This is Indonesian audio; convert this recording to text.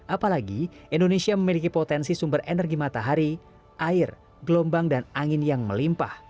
apalagi indonesia memiliki potensi sumber energi matahari air gelombang dan angin yang melimpah